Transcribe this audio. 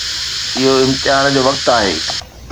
اهو امتحان جو وقت آهي.